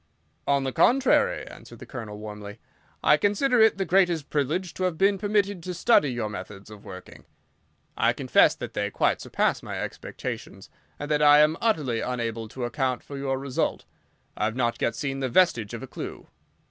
"On the contrary," answered the Colonel, warmly, "I consider it the greatest privilege to have been permitted to study your methods of working. I confess that they quite surpass my expectations, and that I am utterly unable to account for your result. I have not yet seen the vestige of a clue."